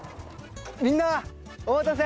みんなお待たせ！